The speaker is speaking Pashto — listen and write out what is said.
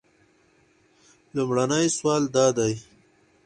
لومړنی سوال دا دی.